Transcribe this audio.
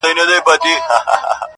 څه ګل غونډۍ وه څه بهارونه -